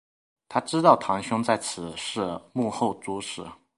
她知道堂兄在此事幕后主使。